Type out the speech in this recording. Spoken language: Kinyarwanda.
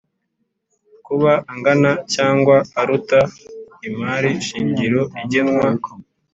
kuba angana cyangwa aruta imari shingiro igenwa